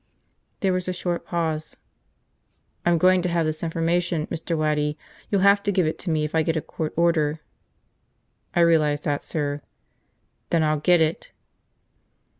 There was a short pause. "I'm going to have this information, Mr. Waddy. You'll have to give it to me if I get a court order." "I realize that, sir." "Then I'll get it!"